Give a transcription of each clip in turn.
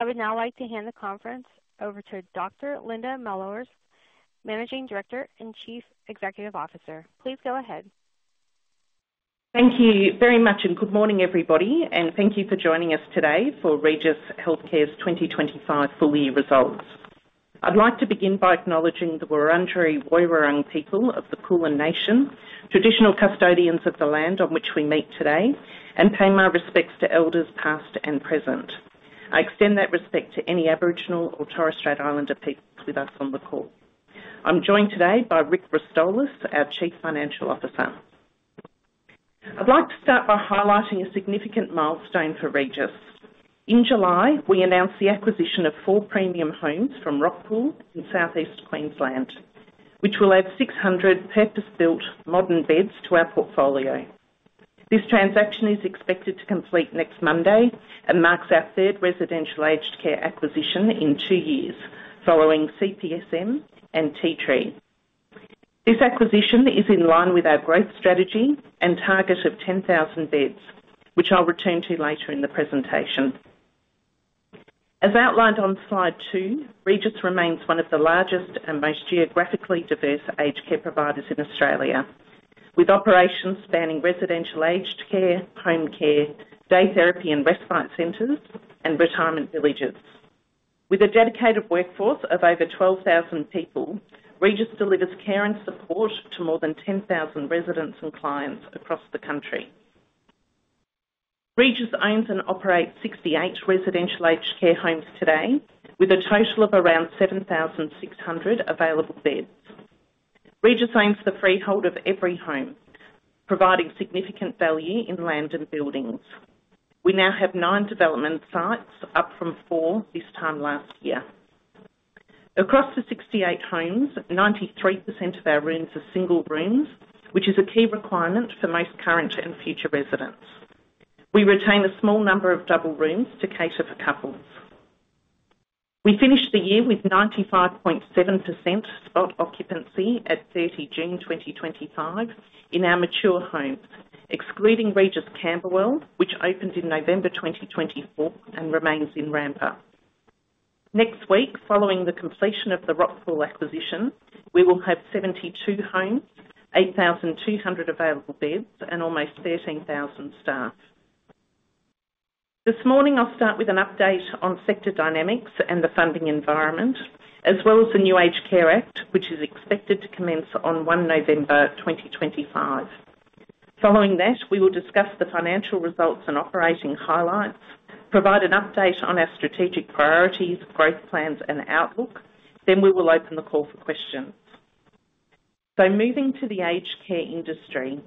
I would now like to hand the conference over to Dr. Linda Mellors, Managing Director and Chief Executive Officer. Please go ahead. Thank you very much, and good morning, everybody, and thank you for joining us today for Regis Healthcare's 2025 full year results. I'd like to begin by acknowledging the Wurundjeri Woiwurrung people of the Kulin Nation, traditional custodians of the land on which we meet today, and pay my respects to elders past and present. I extend that respect to any Aboriginal or Torres Strait Islander peoples with us on the call. I'm joined today by Rick Rostolis, our Chief Financial Officer. I'd like to start by highlighting a significant milestone for Regis. In July, we announced the acquisition of four premium homes from Rockpool in southeast Queensland, which will add 600 purpose-built modern beds to our portfolio. This transaction is expected to complete next Monday and marks our third residential aged care acquisition in two years following CPSM and Tea Tree. This acquisition is in line with our growth strategy and target of 10,000 beds, which I'll return to later in the presentation. As outlined on slide two, Regis remains one of the largest and most geographically diverse aged care providers in Australia, with operations spanning residential aged care, home care, day therapy, and respite centers, and retirement villages. With a dedicated workforce of over 12,000 people, Regis delivers care and support to more than 10,000 residents and clients across the country. Regis owns and operates 68 residential aged care homes today, with a total of around 7,600 available beds. Regis owns the freehold of every home, providing significant value in land and buildings. We now have nine development sites, up from four this time last year. Across the 68 homes, 93% of our rooms are single rooms, which is a key requirement for most current and future residents. We retain a small number of double rooms to cater for couples. We finished the year with 95.7% spot occupancy at 30 June 2025 in our mature homes, excluding Regis Camberwell which opened in November 2024 and remains in ramp-up. Next week, following the completion of the Rockpool acquisition, we will have 72 homes, 8,200 available beds, and almost 13,000 staff. This morning, I'll start with an update on sector dynamics and the funding environment, as well as the new Aged Care Act, which is expected to commence on 1 November 2025. Following that, we will discuss the financial results and operating highlights, provide an update on our strategic priorities, growth plans, and outlook. We will open the call for questions. Moving to the aged care industry,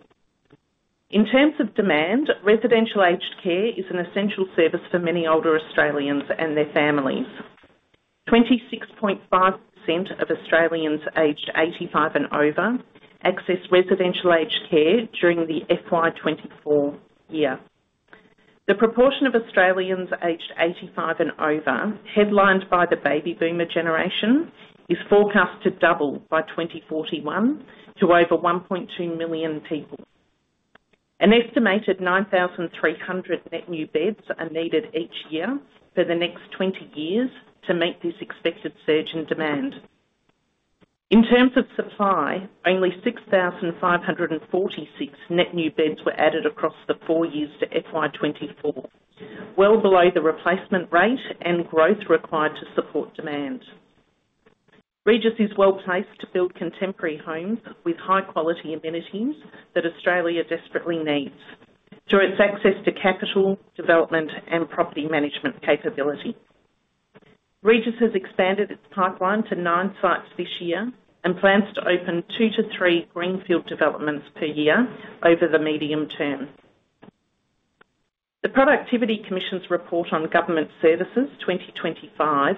in terms of demand, residential aged care is an essential service for many older Australians and their families. 26.5% of Australians aged 85 and over access residential aged care during the FY 2024 year. The proportion of Australians aged 85 and over, headlined by the Baby Boomer generation, is forecast to double by 2041 to over 1.2 million people. An estimated 9,300 net new beds are needed each year for the next 20 years to meet this expected surge in demand. In terms of supply, only 6,546 net new beds were added across the four years to FY 2024, well below the replacement rate and growth required to support demand. Regis is well placed to build contemporary homes with high-quality amenities that Australia desperately needs, through its access to capital, development, and property management capability. Regis has expanded its pipeline to nine sites this year and plans to open two to three greenfield developments per year over the medium term. The Productivity Commission's report on government services 2025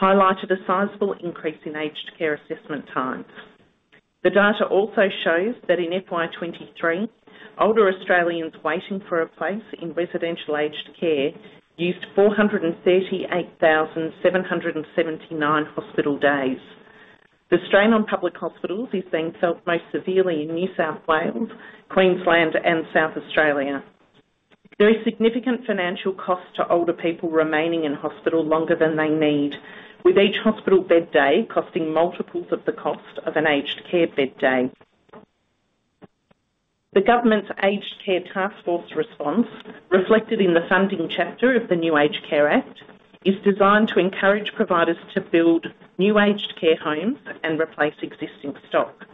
highlighted a sizable increase in aged care assessment times. The data also shows that in FY 2023, older Australians waiting for a place in residential aged care used 438,779 hospital days. The strain on public hospitals is being felt most severely in New South Wales, Queensland, and South Australia. There is significant financial cost to older people remaining in hospital longer than they need, with each hospital bed day costing multiples of the cost of an aged care bed day. The government's Aged Care Taskforce response, reflected in the funding chapter of the new Aged Care Act, is designed to encourage providers to build new aged care homes and replace existing stock.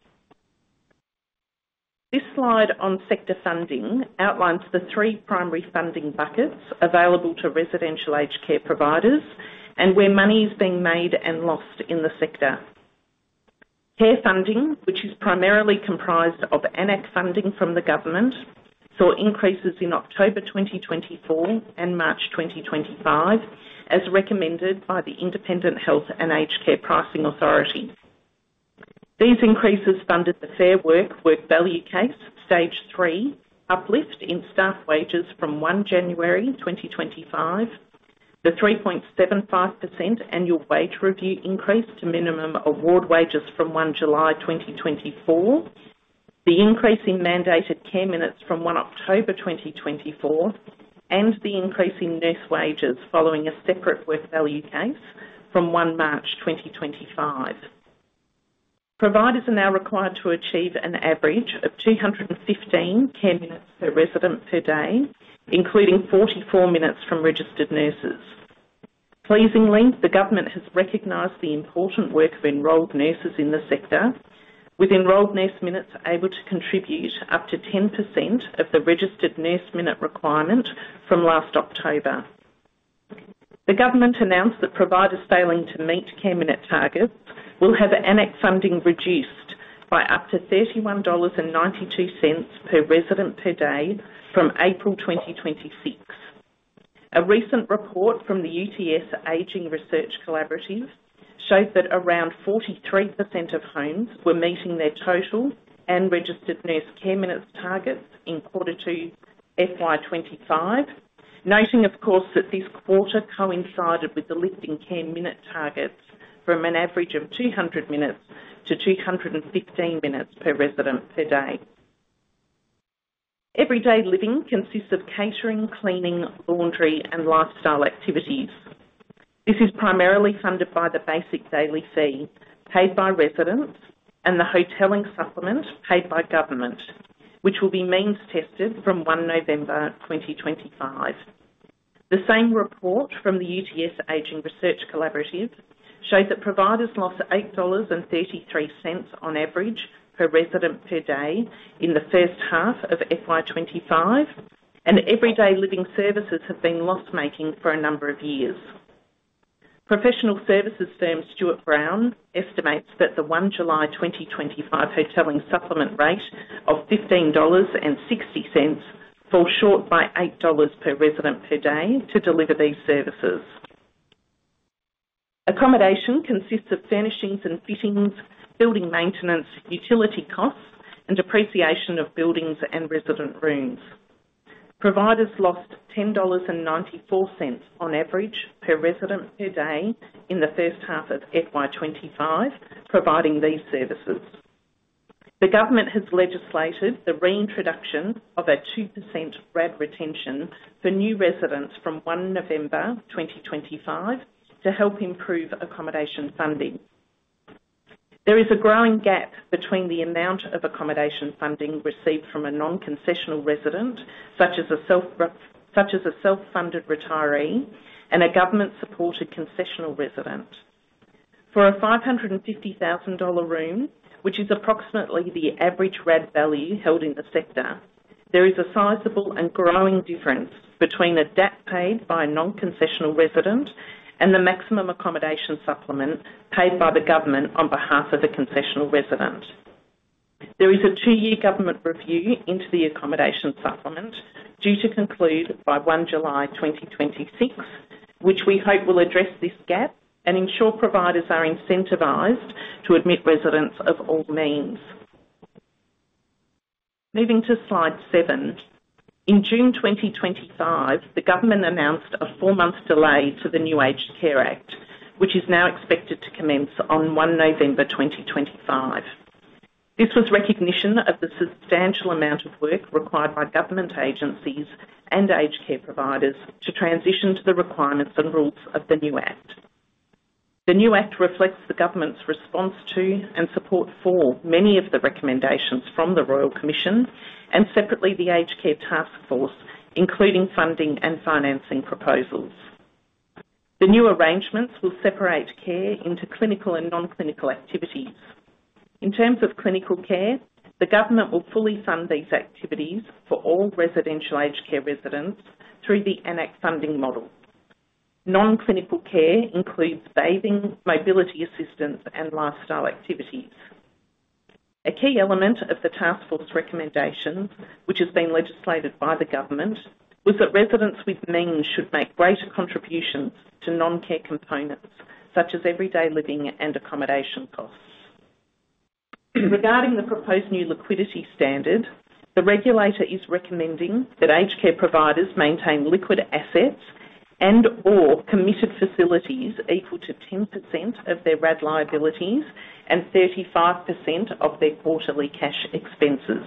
This slide on sector funding outlines the three primary funding buckets available to residential aged care providers and where money is being made and lost in the sector. Care funding, which is primarily comprised of AN-ACC funding from the government, saw increases in October 2024 and March 2025, as recommended by the Independent Health and Aged Care Pricing Authority. These increases funded the Fair Work Work Value Case, Stage Three, uplift in staff wages from January 1, 2025, the 3.75% annual wage review increase to minimum award wages from July 1, 2024, the increase in mandated care minutes from October 1, 2024, and the increase in nurse wages following a separate Work Value Case from March 1, 2025. Providers are now required to achieve an average of 215 care minutes per resident per day, including 44 minutes from registered nurses. Pleasingly, the government has recognized the important work of enrolled nurses in the sector, with enrolled nurse minutes able to contribute up to 10% of the registered nurse minute requirement from last October. The government announced that providers failing to meet care minute targets will have AN-ACC funding reduced by up to AUD 31.92 per resident per day from April 2026. A recent report from the UTS Aging Research Collaborative showed that around 43% of homes were meeting their total and registered nurse care minutes targets in Q2 FY 2025, noting, of course, that this quarter coincided with the lifting care minute targets from an average of 200 minutes to 215 minutes per resident per day. Everyday living consists of catering, cleaning, laundry, and lifestyle activities. This is primarily funded by the basic daily fee paid by residents and the hotelling supplement paid by government, which will be means-tested from 1 November 2025. The same report from the UTS Aging Research Collaborative showed that providers lost 8.33 dollars on average per resident per day in the first half of FY 2025, and everyday living services have been loss-making for a number of years. Professional services firm Stuart Brown estimates that the 1 July 2025 hotelling supplement rate of 15.60 dollars falls short by 8.00 dollars per resident per day to deliver these services. Accommodation consists of furnishings and fittings, building maintenance, utility costs, and appreciation of buildings and resident rooms. Providers lost 10.94 dollars on average per resident per day in the first half of FY 2025, providing these services. The government has legislated the reintroduction of a 2% RAD retention for new residents from 1 November 2025 to help improve accommodation funding. There is a growing gap between the amount of accommodation funding received from a non-concessional resident, such as a self-funded retiree, and a government-supported concessional resident. For a 550,000 dollar room, which is approximately the average RAD value held in the sector, there is a sizable and growing difference between a DAP paid by a non-concessional resident and the maximum accommodation supplement paid by the government on behalf of a concessional resident. There is a two-year government review into the accommodation supplement due to conclude by July 1, 2026, which we hope will address this gap and ensure providers are incentivized to admit residents of all means. Moving to slide seven, in June 2025, the government announced a four-month delay to the new Aged Care Act, which is now expected to commence on November 1, 2025. This was recognition of the substantial amount of work required by government agencies and aged care providers to transition to the requirements and rules of the new Act. The new Act reflects the government's response to and support for many of the recommendations from the Royal Commission and separately the Aged Care Taskforce, including funding and financing proposals. The new arrangements will separate care into clinical and non-clinical activities. In terms of clinical care, the government will fully fund these activities for all residential aged care residents through the AN-ACC funding model. Non-clinical care includes bathing, mobility assistance, and lifestyle activities. A key element of the Taskforce recommendations, which has been legislated by the government, was that residents with means should make greater contributions to non-care components, such as everyday living and accommodation costs. Regarding the proposed new liquidity standard, the regulator is recommending that aged care providers maintain liquid assets and/or committed facilities equal to 10% of their RAD liabilities and 35% of their quarterly cash expenses.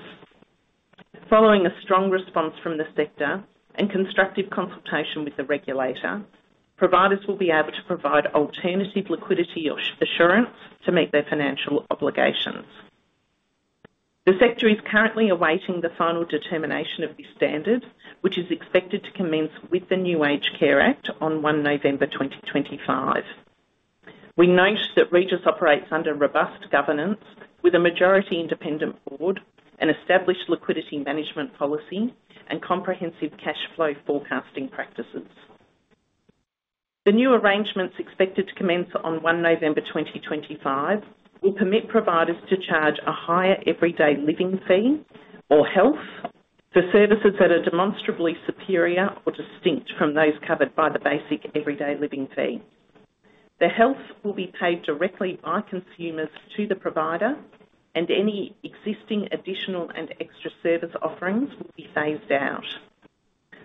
Following a strong response from the sector and constructive consultation with the regulator, providers will be able to provide alternative liquidity assurance to meet their financial obligations. The sector is currently awaiting the final determination of this standard, which is expected to commence with the new Aged Care Act on November 1, 2025. We note that Regis operates under robust governance with a majority independent board, an established liquidity management policy, and comprehensive cash flow forecasting practices. The new arrangements expected to commence on November 1, 2025 will permit providers to charge a higher everyday living fee or health for services that are demonstrably superior or distinct from those covered by the basic everyday living fee. The health will be paid directly by consumers to the provider, and any existing additional and extra service offerings will be phased out.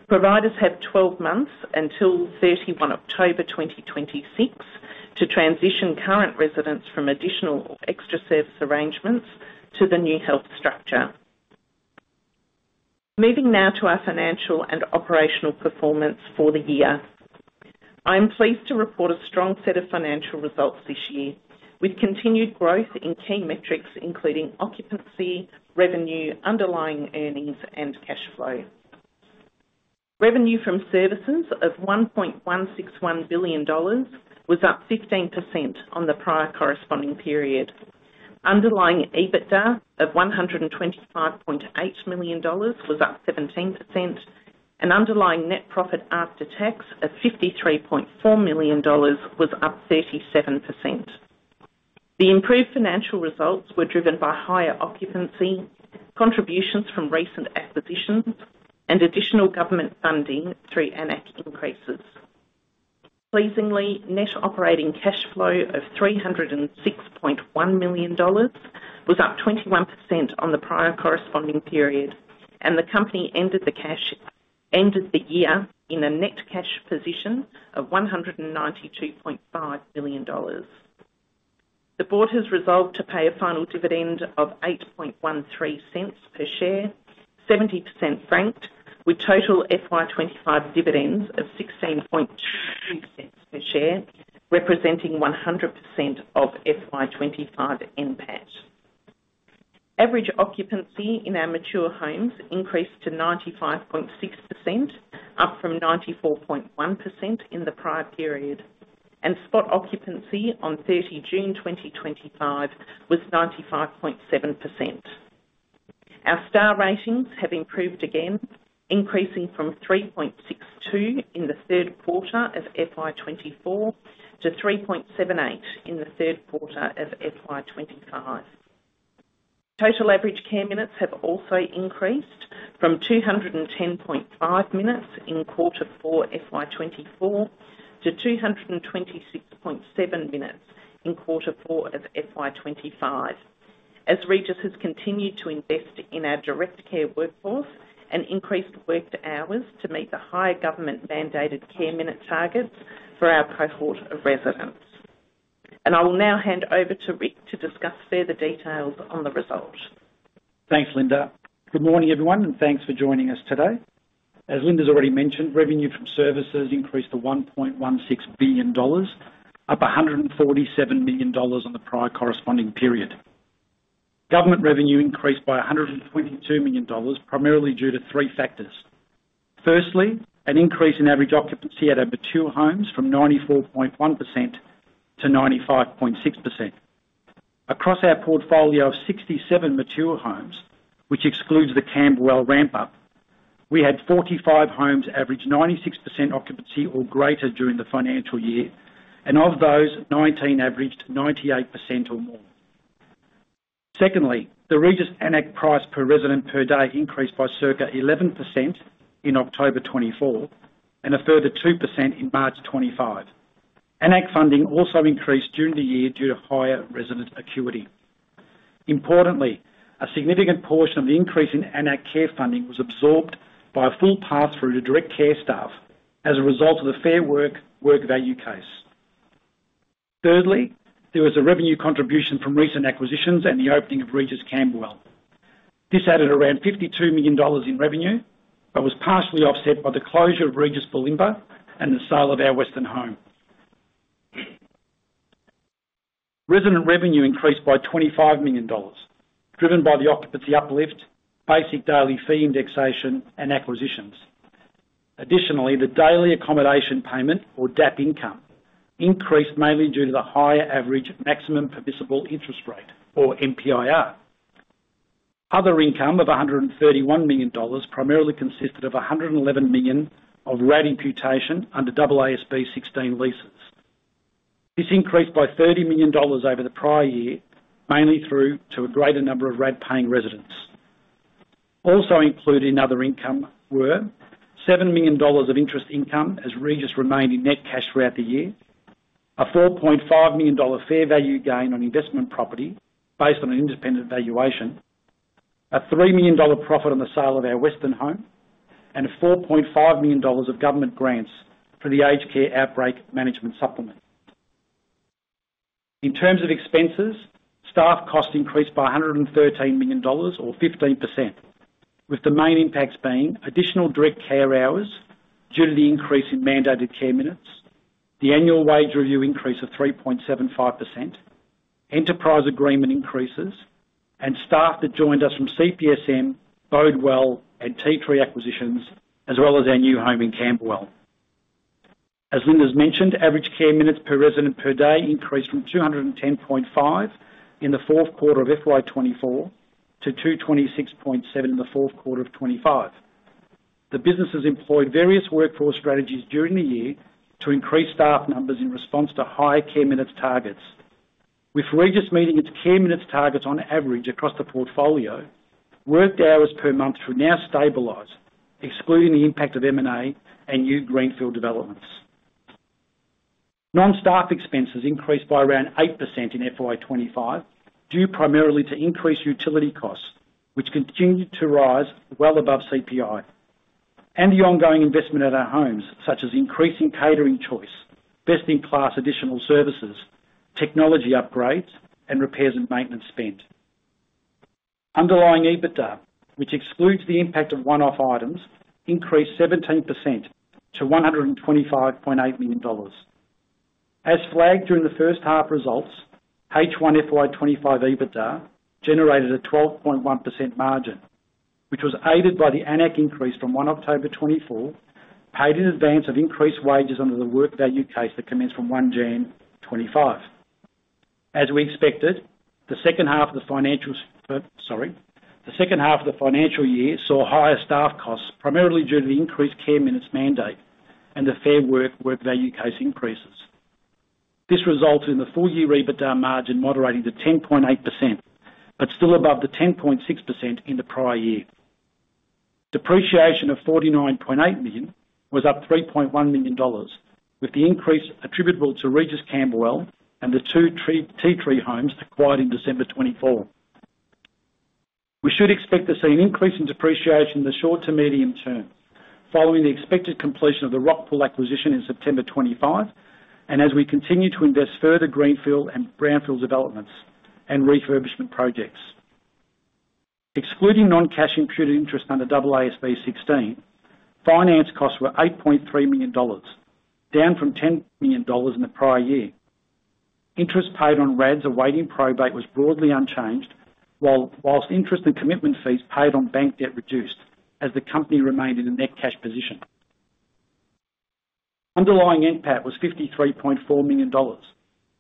Providers have 12 months until 31 October 2026 to transition current residents from additional or extra service arrangements to the new health structure. Moving now to our financial and operational performance for the year. I'm pleased to report a strong set of financial results this year, with continued growth in key metrics including occupancy, revenue, underlying earnings, and cash flow. Revenue from services of 1.161 billion dollars was up 15% on the prior corresponding period. Underlying EBITDA of AUD 125.8 million was up 17%, and underlying net profit after tax of AUD 53.4 million was up 37%. The improved financial results were driven by higher occupancy, contributions from recent acquisitions, and additional government funding through AN-ACC increases. Pleasingly, net operating cash flow of 306.1 million dollars was up 21% on the prior corresponding period, and the company ended the year in a net cash position of 192.5 million dollars. The board has resolved to pay a final dividend of 0.813 per share, 70% franked, with total FY 2025 dividends of 1.622 per share, representing 100% of FY 2025 NPAT. Average occupancy in our mature homes increased to 95.6%, up from 94.1% in the prior period, and spot occupancy on 30 June 2025 was 95.7%. Our star ratings have improved again, increasing from 3.62 in the third quarter of FY 2024 to 3.78 in the third quarter of FY 2025. Total average care minutes have also increased from 210.5 minutes in quarter four FY 2024 to 226.7 minutes in quarter four of FY 2025, as Regis has continued to invest in our direct care workforce and increased worked hours to meet the higher government mandated care minute targets for our cohort of residents. I will now hand over to Rick to discuss further details on the result. Thanks, Linda. Good morning, everyone, and thanks for joining us today. As Linda's already mentioned, revenue from services increased to 1.16 billion dollars, up 147 million dollars on the prior corresponding period. Government revenue increased by 122 million dollars, primarily due to three factors. Firstly, an increase in average occupancy at our mature homes from 94.1% to 95.6%. Across our portfolio of 67 mature homes, which excludes the Camberwell ramp-up, we had 45 homes average 96% occupancy or greater during the financial year, and of those, 19 averaged 98% or more. Secondly, the Regis AN-ACC price per resident per day increased by circa 11% in October 2024 and a further 2% in March 2025. AN-ACC funding also increased during the year due to higher resident acuity. Importantly, a significant portion of the increase in AN-ACC care funding was absorbed by a full pass-through to direct care staff as a result of the Fair Work Work Value Case. Thirdly, there was a revenue contribution from recent acquisitions and the opening of Regis Camberwell. This added around 52 million dollars in revenue, but was partially offset by the closure of Regis Bulimba and the sale of our Western Home. Resident revenue increased by 25 million dollars, driven by the occupancy uplift, basic daily fee indexation, and acquisitions. Additionally, the daily accommodation payment, or DAP income, increased mainly due to the higher average maximum permissible interest rate, or MPIR. Other income of 131 million dollars primarily consisted of 111 million of RAD imputation under AASB 16 leases. This increased by 30 million dollars over the prior year, mainly through to a greater number of RAD-paying residents. Also included in other income were 7 million dollars of interest income as Regis remained in net cash throughout the year, a 4.5 million dollar fair value gain on investment property based on an independent valuation, a 3 million dollar profit on the sale of our Western Home, and 4.5 million dollars of government grants for the aged care outbreak management supplement. In terms of expenses, staff costs increased by 113 million dollars, or 15%, with the main impacts being additional direct care hours due to the increase in mandated care minutes, the annual wage review increase of 3.75%, enterprise agreement increases, and staff that joined us from CPSM, Bode Well, and Tea Tree acquisitions, as well as our new home in Camberwell. As Linda mentioned, average care minutes per resident per day increased from 210.5 in the fourth quarter of FY 2024 to 226.7 in the fourth quarter of 2025. The businesses employed various workforce strategies during the year to increase staff numbers in response to higher care minutes targets. With Regis meeting its care minutes targets on average across the portfolio, worked hours per month have now stabilized, excluding the impact of M&A and new greenfield developments. Non-staff expenses increased by around 8% in FY 2025, due primarily to increased utility costs, which continued to rise well above CPI, and the ongoing investment at our homes, such as increasing catering choice, best-in-class additional services, technology upgrades, and repairs and maintenance spend. Underlying EBITDA, which excludes the impact of one-off items, increased 17% to 125.8 million dollars. As flagged during the first half results, H1 FY 2025 EBITDA generated a 12.1% margin, which was aided by the AN-ACC increase from 1 October 2024, paid in advance of increased wages under the Work Value Case that commenced from 1 January 2025. As we expected, the second half of the financial year saw higher staff costs, primarily due to the increased care minutes mandate and the Fair Work Work Value Case increases. This resulted in the full-year EBITDA margin moderating to 10.8%, but still above the 10.6% in the prior year. Depreciation of 49.8 million was up 3.1 million dollars, with the increase attributable to Regis Camberwell and the two Tea Tree homes acquired in December 2024. We should expect to see an increase in depreciation in the short to medium term following the expected completion of the Rockpool acquisition in September 2025, and as we continue to invest further in greenfield and brownfield developments and refurbishment projects. Excluding non-cash imputed interest under AASB 16, finance costs were 8.3 million dollars, down from 10 million dollars in the prior year. Interest paid on RADs awaiting probate was broadly unchanged, while interest and commitment fees paid on bank debt reduced as the company remained in a net cash position. Underlying NPAT was 53.4 million dollars,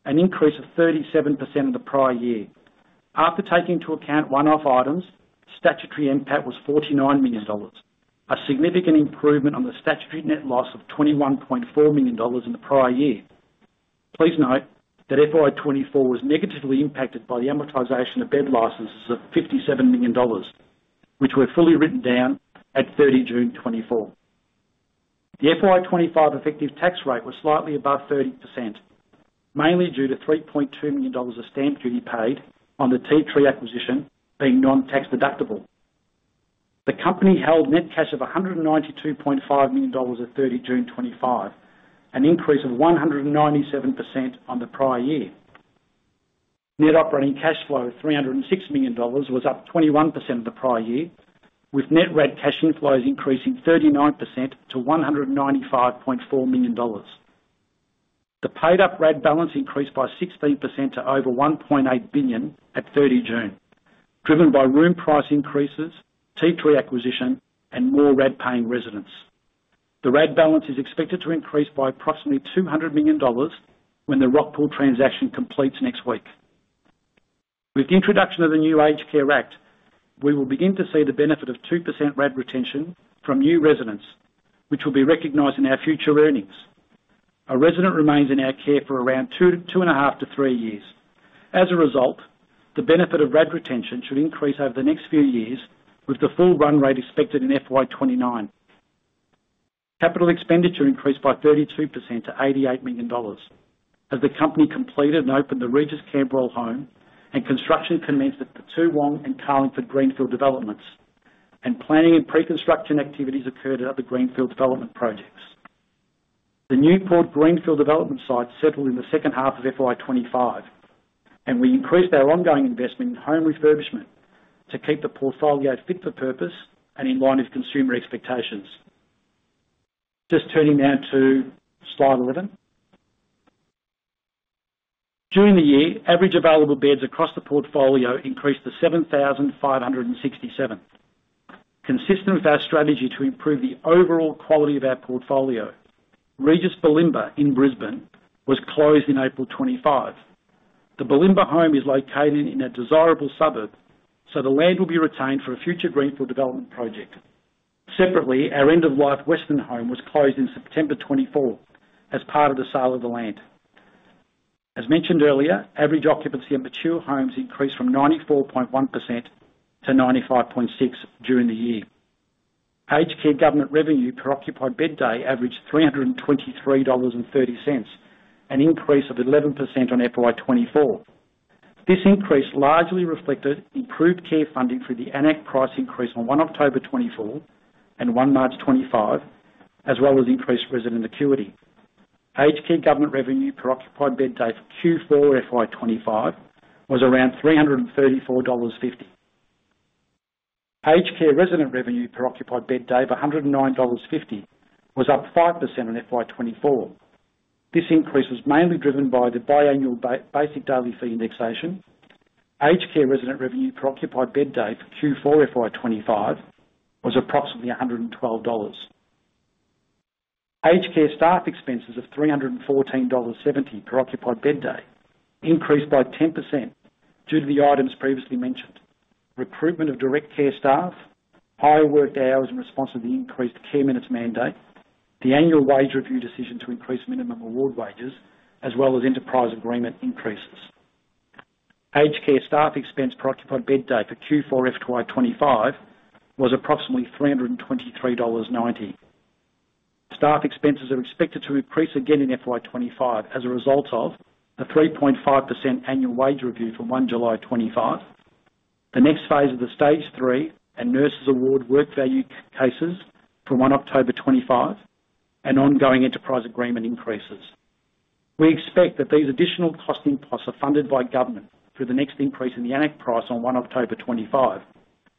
an increase of 37% in the prior year. After taking into account one-off items, statutory NPAT was 49 million dollars, a significant improvement on the statutory net loss of 21.4 million dollars in the prior year. Please note that FY 2024 was negatively impacted by the amortization of bed licenses of 57 million dollars, which were fully written down at 30 June 2024. The FY 2025 effective tax rate was slightly above 30%, mainly due to 3.2 million dollars of stamp duty paid on the Tea Tree acquisition being non-tax deductible. The company held net cash of 192.5 million dollars at 30 June 2025, an increase of 197% on the prior year. Net operating cash flow of 306 million dollars was up 21% in the prior year, with net RAD cash inflows increasing 39% to AUD 195.4 million. The paid-up RAD balance increased by 16% to over 1.8 billion at 30 June, driven by room price increases, Tea Tree acquisition, and more RAD-paying residents. The RAD balance is expected to increase by approximately 200 million dollars when the Rockpool transaction completes next week. With the introduction of the new Aged Care Act, we will begin to see the benefit of 2% RAD retention from new residents, which will be recognized in our future earnings. A resident remains in our care for around two and a half to three years. As a result, the benefit of RAD retention should increase over the next few years, with the full run rate expected in FY 2029. Capital expenditure increased by 32% to 88 million dollars, as the company completed and opened the Regis Camberwell Home and construction commenced at the Toowoong and Carlingford greenfield developments, and planning and pre-construction activities occurred at other greenfield development projects. The Newport greenfield development site settled in the second half of FY 2025, and we increased our ongoing investment in home refurbishment to keep the portfolio fit for purpose and in line with consumer expectations. Just turning now to slide 11. During the year, average available beds across the portfolio increased to 7,567, consistent with our strategy to improve the overall quality of our portfolio. Regis Bulimba in Brisbane was closed in April 2025. The Bulimba Home is located in a desirable suburb, so the land will be retained for a future greenfield development project. Separately, our end-of-life Western Home was closed in September 2024 as part of the sale of the land. As mentioned earlier, average occupancy in mature homes increased from 94.1% to 95.6% during the year. Aged Care Government revenue per occupied bed day averaged 323.30 dollars, an increase of 11% on FY 2024. This increase largely reflected improved care funding through the AN-ACC price increase on 1 October 2024 and 1 March 2025, as well as increased resident acuity. Aged care government revenue per occupied bed day for Q4 FY 2025 was around 34.50 dollars. Aged care resident revenue per occupied bed day of 109.50 was up 5% on FY 2024. This increase was mainly driven by the biannual basic daily fee indexation. Aged care resident revenue per occupied bed day for Q4 FY 2025 was approximately 112 dollars. Aged care staff expenses of 314.70 dollars per occupied bed day increased by 10% due to the items previously mentioned: recruitment of direct care staff, higher worked hours in response to the increased care minutes mandate, the annual wage review decision to increase minimum award wages, as well as enterprise agreement increases. Aged care staff expense per occupied bed day for Q4 FY2025 was approximately 323.90 dollars. Staff expenses are expected to increase again in FY 2025 as a result of a 3.5% annual wage review from 1 July 2025, the next phase of the Stage Three and Nurses Award Work Value Cases from 1 October 2025, and ongoing enterprise agreement increases. We expect that these additional cost imposts are funded by government through the next increase in the AN-ACC price on 1 October 2025,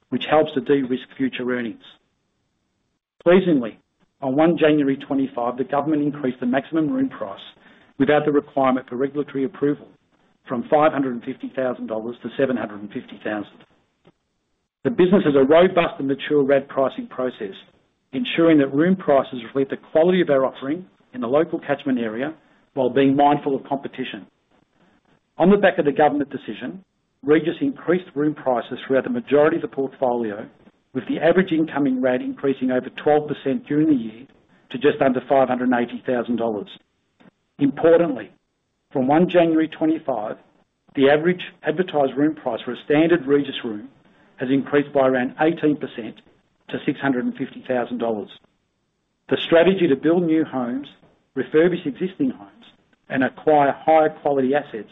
which helps to de-risk future earnings. Pleasingly, on 1 January 2025, the government increased the maximum room price without the requirement for regulatory approval from 550,000 dollars to 750,000. The business has a robust and mature RAD pricing process, ensuring that room prices reflect the quality of our offering in the local catchment area while being mindful of competition. On the back of the government decision, Regis increased room prices throughout the majority of the portfolio, with the average incoming RAD increasing over 12% during the year to just under 580,000 dollars. Importantly, from 1 January 2025, the average advertised room price for a standard Regis room has increased by around 18% to 650,000 dollars. The strategy to build new homes, refurbish existing homes, and acquire higher quality assets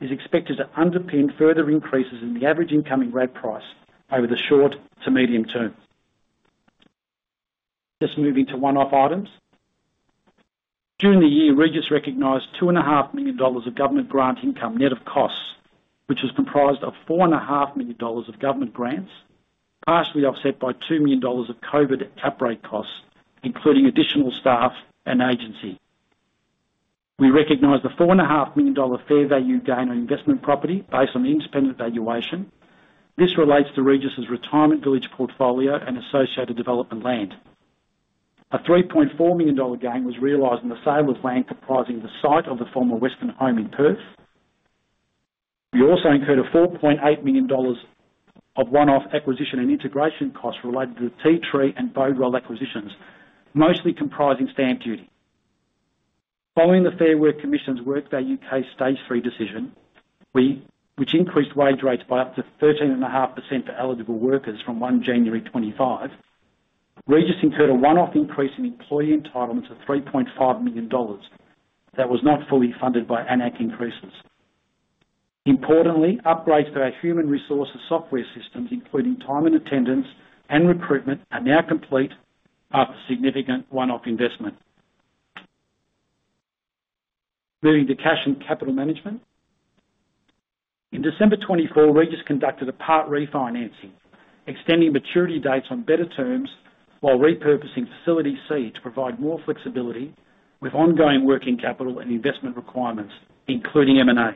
is expected to underpin further increases in the average incoming RAD price over the short to medium term. Just moving to one-off items. During the year, Regis recognized 2.5 million dollars of government grant income net of costs, which was comprised of 4.5 million dollars of government grants, partially offset by 2 million dollars of COVID outbreak costs, including additional staff and agency. We recognized the 4.5 million dollar fair value gain on investment property based on the independent valuation. This relates to Regis Retirement Village portfolio and associated development land. A 3.4 million dollar gain was realized in the sale of land comprising the site of the former Western Home in Perth. We also incurred 3.8 million dollars of one-off acquisition and integration costs related to the Tea Tree and BodeWell acquisitions, mostly comprising stamp duty. Following the Fair Work Commission's Work Value Case Stage Three decision, which increased wage rates by up to 13.5% for eligible workers from January 1, 2025, Regis incurred a one-off increase in employee entitlements of 3.5 million dollars that was not fully funded by AN-ACC increases. Importantly, upgrades to our human resources software systems, including time and attendance and recruitment, are now complete after significant one-off investment. Moving to cash and capital management. In December 2024, Regis conducted a part refinancing, extending maturity dates on better terms while repurposing Facility C to provide more flexibility with ongoing working capital and investment requirements, including M&A.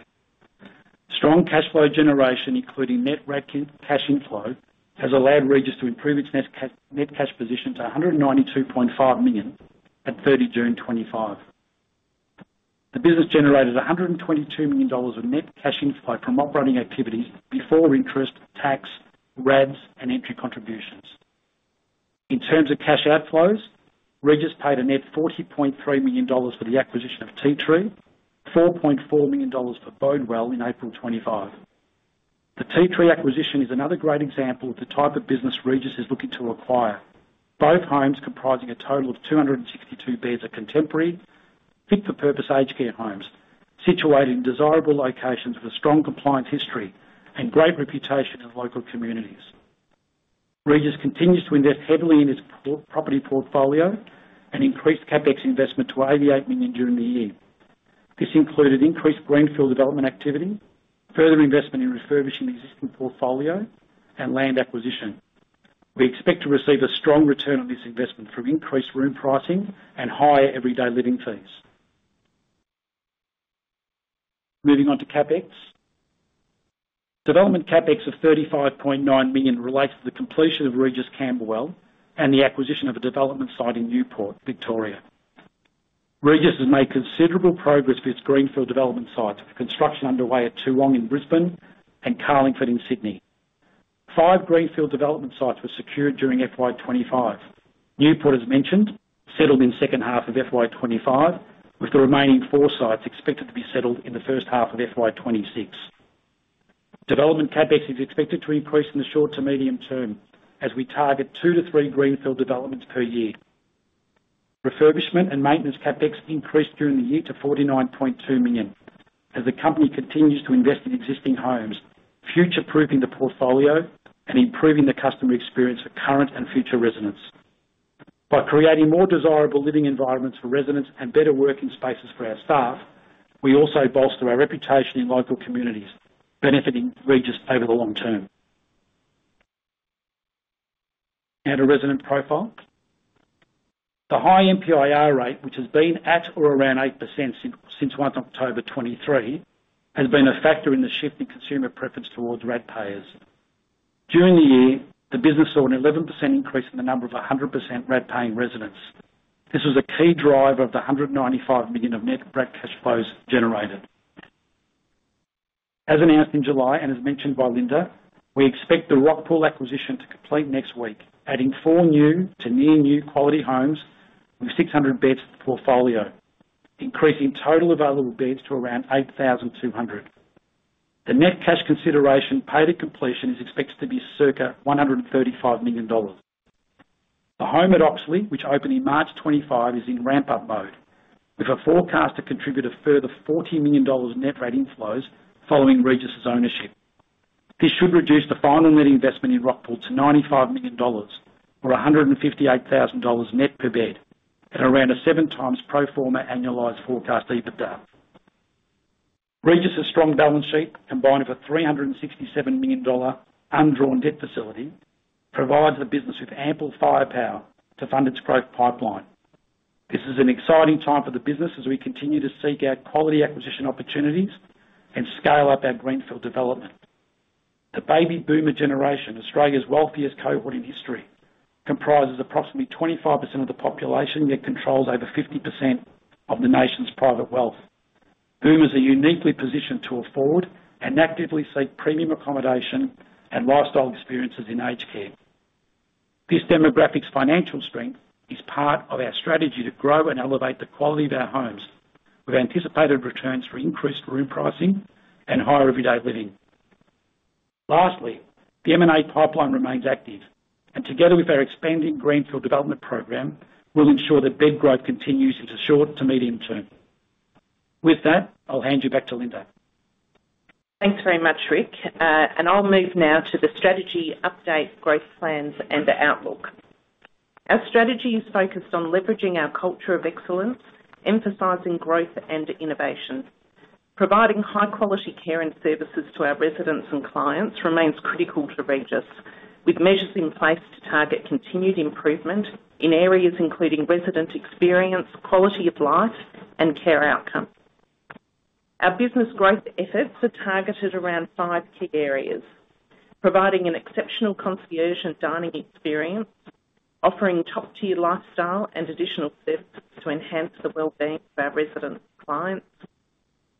Strong cash flow generation, including net RAD cash inflow, has allowed Regis to improve its net cash position to 192.5 million at June 30, 2025. The business generated 122 million dollars of net cash inflow from operating activities before interest, tax, RADs, and entry contributions. In terms of cash outflows, Regis paid a net 40.3 million dollars for the acquisition of Tea Tree, 4.4 million dollars for BodeWell in April 2025. The Tea Tree acquisition is another great example of the type of business Regis is looking to acquire, both homes comprising a total of 262 beds of contemporary fit-for-purpose aged care homes situated in desirable locations with a strong compliance history and great reputation in local communities. Regis continues to invest heavily in its property portfolio and increased CapEx investment to 88 million during the year. This included increased greenfield development activity, further investment in refurbishing the existing portfolio, and land acquisition. We expect to receive a strong return on this investment from increased room pricing and higher everyday living fees. Moving on to CapEx, development CapEx of 35.9 million relates to the completion of Regis Camberwell and the acquisition of a development site in Newport, Victoria. Regis has made considerable progress with its greenfield development sites, with construction underway at Toowoong in Brisbane and Carlingford in Sydney. Five greenfield development sites were secured during FY 2025. Newport, as mentioned, settled in the second half of FY 2025, with the remaining four sites expected to be settled in the first half of FY 2026. Development CapEx is expected to increase in the short to medium term as we target two to three greenfield developments per year. Refurbishment and maintenance CapEx increased during the year to 49.2 million as the company continues to invest in existing homes, future-proofing the portfolio and improving the customer experience of current and future residents. By creating more desirable living environments for residents and better working spaces for our staff, we also bolster our reputation in local communities, benefiting Regis over the long term. Now to resident profile. The high MPIR rate, which has been at or around 8% since October 1, 2023, has been a factor in the shift in consumer preference towards RAD payers. During the year, the business saw an 11% increase in the number of 100% RAD-paying residents. This was a key driver of the 195 million of net RAD cash flows generated. As announced in July and as mentioned by Linda, we expect the Rockpool acquisition to complete next week, adding four new to near new quality homes with 600 beds to the portfolio, increasing total available beds to around 8,200. The net cash consideration paid at completion is expected to be circa 135 million dollars. The home at Oxley, which opened in March 2025, is in ramp-up mode, with a forecast to contribute a further 40 million dollars net RAD inflows following Regis's ownership. This should reduce the final net investment in Rockpool to 95 million dollars, or 158,000 dollars net per bed, at around a 7x pro forma annualized forecast EBITDA. Regis's strong balance sheet, combined with AUD 367 million undrawn debt facility, provides the business with ample firepower to fund its growth pipeline. This is an exciting time for the business as we continue to seek out quality acquisition opportunities and scale up our greenfield development. The Baby Boomer generation, Australia's wealthiest cohort in history, comprises approximately 25% of the population, yet controls over 50% of the nation's private wealth. Boomers are uniquely positioned to afford and actively seek premium accommodation and lifestyle experiences in aged care. This demographic's financial strength is part of our strategy to grow and elevate the quality of our homes, with anticipated returns for increased room pricing and higher everyday living. Lastly, the M&A pipeline remains active, and together with our expanded greenfield development program, we'll ensure that bed growth continues in the short to medium term. With that, I'll hand you back to Linda. Thanks very much, Rick. I'll move now to the strategy update, growth plans, and the outlook. Our strategy is focused on leveraging our culture of excellence, emphasizing growth and innovation. Providing high-quality care and services to our residents and clients remains critical to Regis, with measures in place to target continued improvement in areas including resident experience, quality of life, and care outcome. Our business growth efforts are targeted around five key areas: providing an exceptional concierge and dining experience, offering top-tier lifestyle and additional services to enhance the wellbeing of our residents and clients,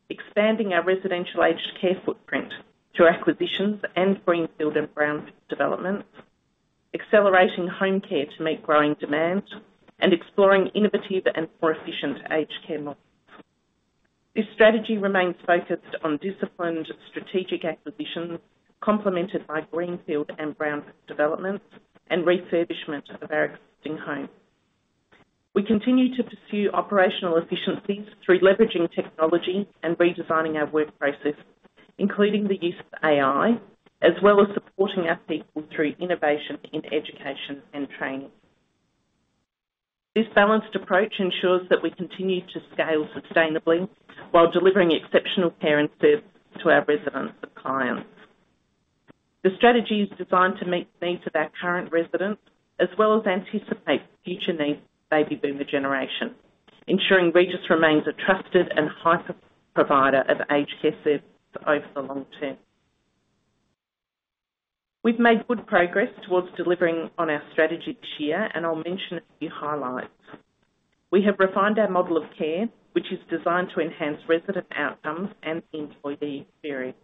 expanding our residential aged care footprint through acquisitions and greenfield and brownfield developments, accelerating home care to meet growing demand, and exploring innovative and more efficient aged care models. This strategy remains focused on disciplined strategic acquisitions, complemented by greenfield and brownfield developments and refurbishment of our existing homes. We continue to pursue operational efficiencies through leveraging technology and redesigning our work process, including the use of AI, as well as supporting our people through innovation in education and training. This balanced approach ensures that we continue to scale sustainably while delivering exceptional care and services to our residents and clients. The strategy is designed to meet the needs of our current residents, as well as anticipate the future needs of the Baby Boomer generation, ensuring Regis remains a trusted and high-performance provider of aged care services over the long term. We've made good progress towards delivering on our strategy this year, and I'll mention a few highlights. We have refined our model of care, which is designed to enhance resident outcomes and employee experience.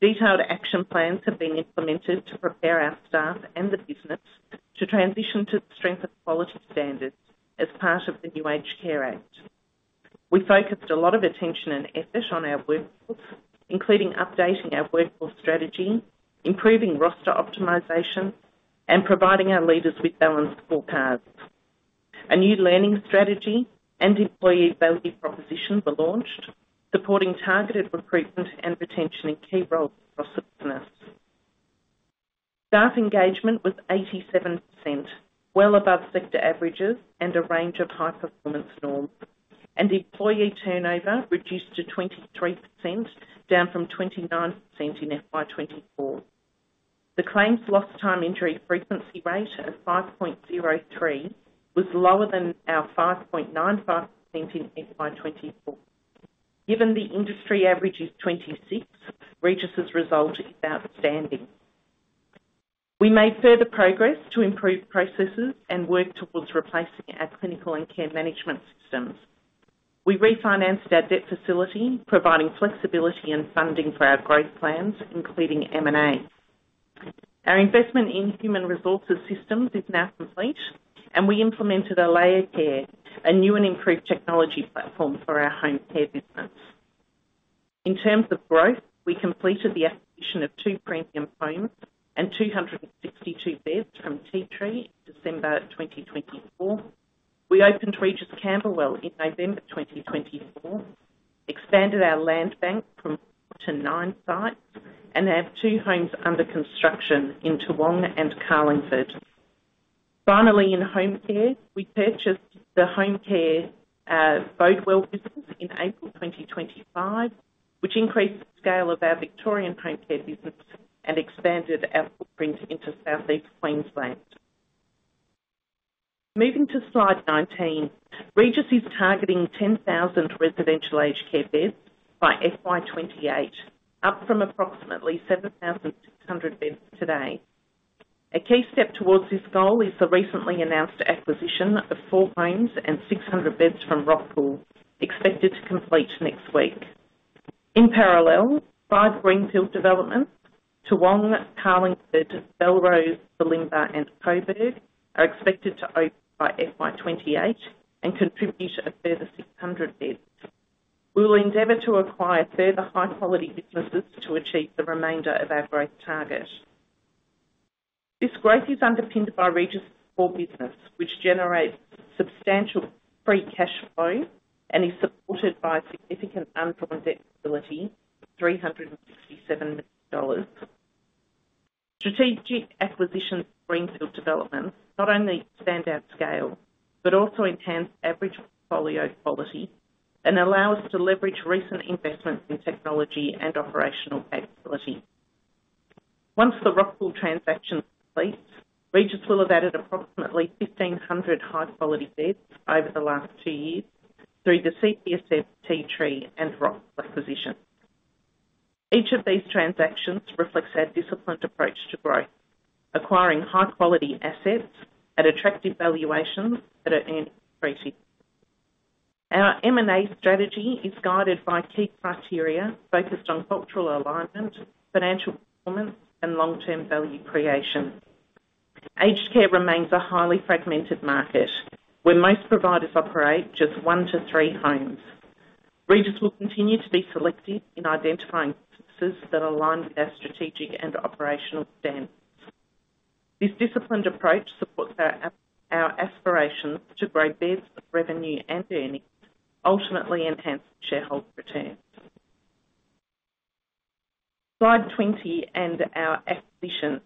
Detailed action plans have been implemented to prepare our staff and the business to transition to strengthened quality standards as part of the new Aged Care Act. We focused a lot of attention and effort on our workforce, including updating our workforce strategy, improving roster optimization, and providing our leaders with balanced forecasts. A new learning strategy and employee value proposition were launched, supporting targeted recruitment and retention in key roles across the business. Staff engagement was 87%, well above sector averages and a range of high-performance norms, and employee turnover reduced to 23%, down from 29% in FY 2024. The claims lost time injury frequency rate of 5.03 was lower than our 5.95 in FY 2024. Given the industry average is 26, Regis's result is outstanding. We made further progress to improve processes and work towards replacing our clinical and care management systems. We refinanced our debt facility, providing flexibility and funding for our growth plans, including M&A. Our investment in human resources systems is now complete, and we implemented a layered care, a new and improved technology platform for our home care business. In terms of growth, we completed the acquisition of two premium homes and 262 beds from Tea Tree in December 2024. We opened Regis Camberwell in November 2024, expanded our land bank to nine sites, and have two homes under construction in Toowoong and Carlingford. Finally, in home care, we purchased the home care BodeWell business in April 2025, which increased the scale of our Victorian home care business and expanded our footprint into southeast Queensland. Moving to slide 19, Regis is targeting 10,000 residential aged care beds by FY 2028, up from approximately 7,600 beds today. A key step towards this goal is the recently announced acquisition of four homes and 600 beds from Rockpool expected to complete next week. In parallel, five greenfield developments—Toowoong, Carlingford, Belrose, Bulimba, and Coburg—are expected to open by FY 2028 and contribute a further 600 beds. We'll endeavor to acquire further high-quality businesses to achieve the remainder of our growth target. This growth is underpinned by Regis's core business, which generates substantial free cash flow and is supported by significant unutilized borrowing ability, AUD 367 million. Strategic acquisitions and greenfield developments not only stand out in scale, but also enhance average portfolio quality and allow us to leverage recent investments in technology and operational capability. Once the Rockpool transaction completes, Regis will have added approximately 1,500 high-quality beds over the last two years through the CPSM, Tea Tree, and Rockpool acquisitions. Each of these transactions reflects our disciplined approach to growth, acquiring high-quality assets at attractive valuations that are earnings accretive. Our M&A strategy is guided by key criteria focused on cultural alignment, financial performance, and long-term value creation. Aged care remains a highly fragmented market, where most providers operate just one to three homes. Regis will continue to be selective in identifying services that align with our strategic and operational standards. This disciplined approach supports our aspirations to grow beds, revenue, and earnings, ultimately enhancing shareholder returns. Slide 20 and our acquisitions.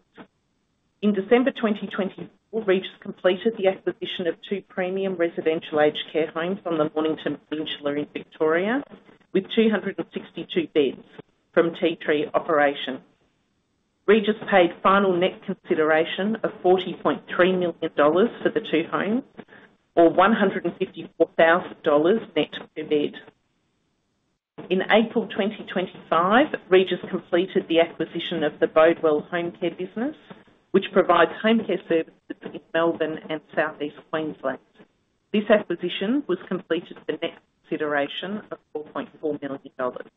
In December 2024, Regis completed the acquisition of two premium residential aged care homes on the Mornington Peninsula in Victoria, with 262 beds from Tea Tree operation. Regis paid final net consideration of 40.3 million dollars for the two homes, or 154,000 dollars net per bed. In April 2025, Regis completed the acquisition of the BodeWell home care business, which provides home care services in Melbourne and southeast Queensland. This acquisition was completed for net consideration of 4.4 million dollars.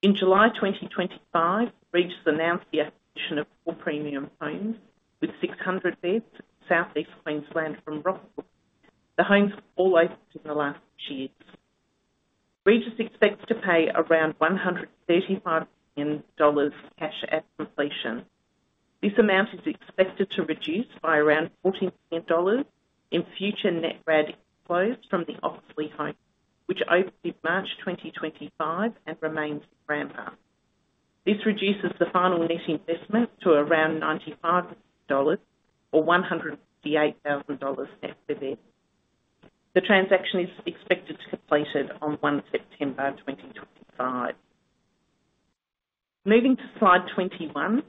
In July 2025, Regis announced the acquisition of four premium homes with 600 beds in southeast Queensland from Rockpool Homes. The homes were all opened in the last six years. Regis expects to pay around 135 million dollars cash at completion. This amount is expected to reduce by around 14 million dollars in future net RAD inflows from the Oxley Home, which opened in March 2025 and remains at rump-up. This reduces the final net investment to around 95 million dollars, or 158,000 dollars net per bed. The transaction is expected to be completed on 1 September 2025. Moving to slide 21,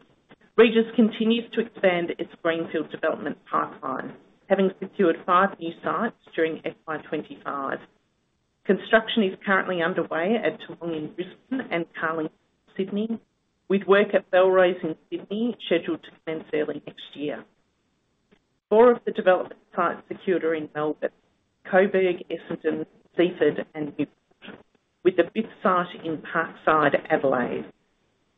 Regis continues to expand its greenfield development pipeline, having secured five new sites during FY 2025. Construction is currently underway at Toowoong in Brisbane and Carlingford in Sydney, with work at Bellrose in Sydney scheduled to commence early next year. Four of the development sites secured are in Melbourne: Coburg, Essendon, Seaford, and Newport, with the fifth site in Parkside, Adelaide.